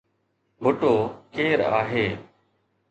ڀٽو ڪير آهي؟